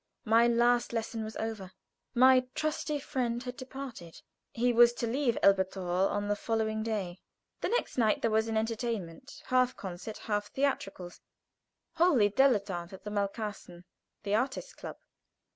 My last lesson was over. My trusty friend had departed. He was to leave Elberthal on the following day. The next night there was an entertainment half concert, half theatricals, wholly dilettante at the Malkasten, the Artists' Club.